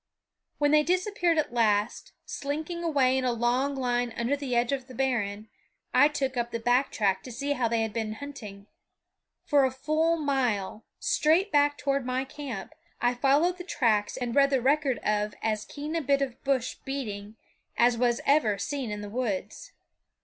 When they disappeared at last, slinking away in a long line under the edge of the barren, I took up the back track to see how they had been hunting. For a full mile, straight back toward my camp, I followed the tracks and read the record of as keen a bit of bush beating as was ever seen in the woods.